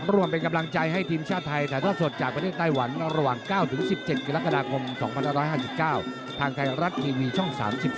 รวมเป็นกำลังใจให้ทีมชาติไทยถ่ายทอดสดจากประเทศไต้หวันระหว่าง๙๑๗กรกฎาคม๒๕๕๙ทางไทยรัฐทีวีช่อง๓๒